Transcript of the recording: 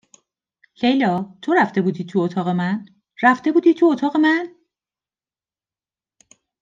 لیلا، تو رفته بودی تو اتاق من؟ رفته بودی تو اتاق من؟